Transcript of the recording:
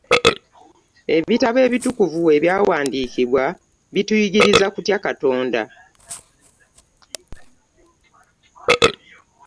Ebitabo ebitukuvu ebyawandiikibwa bituyigiriza kutya Katonda.